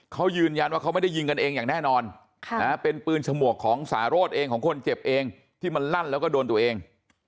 เขายืนยันว่าเขาไม่ได้ยิงกันเองอย่างแน่นอนเป็นปืนฉมวกของสารสเองของคนเจ็บเองที่มันลั่นแล้วก็โดนตัวเอง